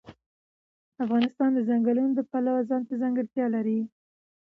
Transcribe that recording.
افغانستان د ځنګلونه د پلوه ځانته ځانګړتیا لري.